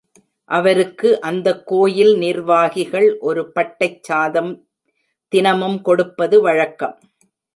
அவருக்கு அந்தக் கோயில் நிர்வாகிகள் ஒரு பட்டைச் சாதம் தினமும் கொடுப்பது வழக்கம்.